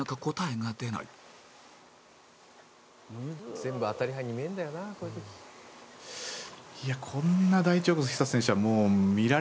「全部当たり牌に見えるんだよなこういう時」